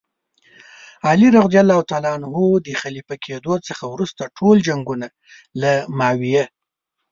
علي رض د خلیفه کېدلو څخه وروسته ټول جنګونه له معاویه.